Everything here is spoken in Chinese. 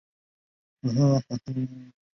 桦树液也可用做化妆品。